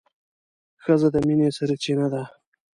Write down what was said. ښځه د مينې سرچينه ده